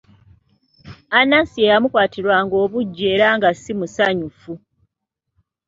Anansi ye yamukwatirwanga obuggya era nga si musanyufu.